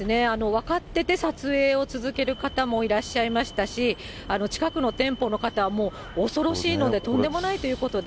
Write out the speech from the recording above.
分かってて撮影を続ける方もいらっしゃいましたし、近くの店舗の方はもう恐ろしいので、とんでもないということで。